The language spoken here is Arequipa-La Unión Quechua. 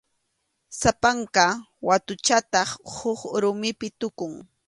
Sapanka watuchataq huk rumipi tukun.